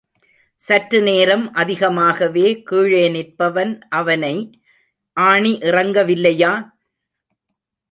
சற்றுநேரம் அதிகமாகவே, கீழே நிற்பவன் அவனை ஆணி இறங்கவில்லையா?